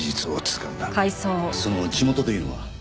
その地元というのは？